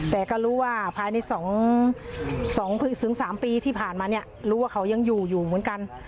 แต่ก็รู้ว่าภายใน๒๓ปีที่ผ่านมาเนี่ยรู้ว่าเขายังอยู่อยู่เหมือนกัน